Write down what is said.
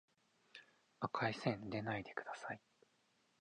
赤い線でないでください